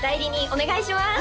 お願いします！